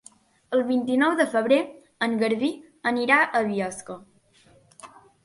El vint-i-nou de febrer en Garbí anirà a Biosca.